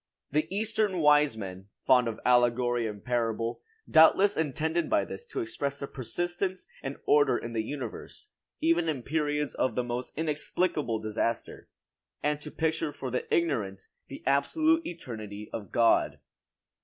The eastern wise men, fond of allegory and parable, doubtless intended by this to express the persistence and order in the universe, even in periods of the most inexplicable disaster; and to picture for the ignorant the absolute eternity of God.